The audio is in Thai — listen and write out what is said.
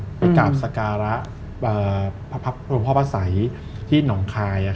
ไปกราบศฏรรย์หลงพ่อพระศียีที่หนองคาย